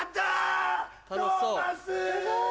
すごい。